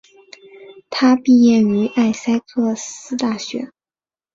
他毕业于艾塞克斯大学。